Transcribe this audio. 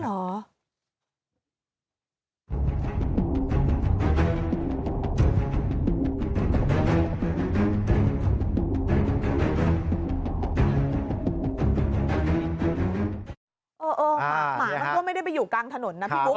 หมามันก็ไม่ได้ไปอยู่กลางถนนนะพี่บุ๊